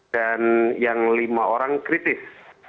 dan yang lima orang kritis